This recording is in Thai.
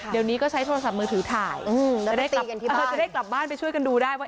เดี๋ยวนี้ก็ใช้โทรศัพท์มือถือถ่ายจะได้กลับบ้านไปช่วยกันดูได้ว่า